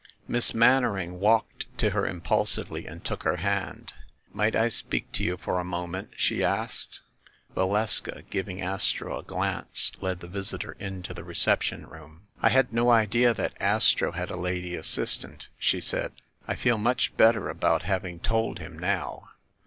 Miss Mannering walked to her impulsively and took her hand. "Might I speak to you for a moment?" she asked. Valeska, giving Astro a glance, led the visitor into the reception room. "I had no idea that Astro had a lady assistant," she said. "I feel much better about having told him, now."